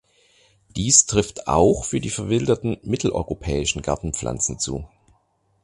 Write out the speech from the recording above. Dies trifft auch für die verwilderten mitteleuropäischen Gartenpflanzen zu.